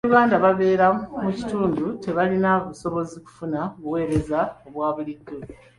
Bannayuganda ababeera mu kitundu tebalina busobozi kufuna buweereza obwa bulijjo.